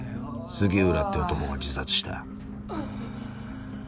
杉浦って男が自殺した。